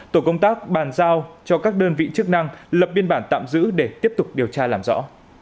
tổ công tác bàn giao cho các đơn vị chức năng lập biên bản tạm giữ để tiếp tục điều tra làm rõ